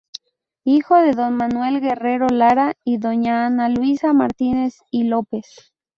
Hijo de don Manuel Guerrero Lara y doña Ana Luisa Martínez y López.